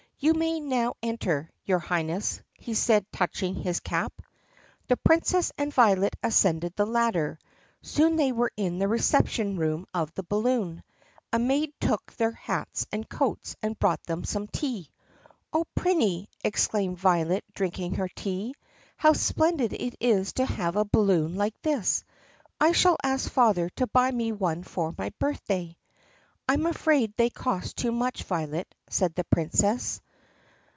"You may now enter, your Highness," he said touching his cap. The Princess and Violet ascended the ladder. Soon they were in the reception room of the balloon. A maid took their hats and coats and brought them some tea. "Oh, Prinny!" exclaimed Violet drinking her tea, "how splendid it is to have a balloon like this! I shall ask father to buy me one for my birthday." "I am afraid they cost too much, Violet," said the Princess.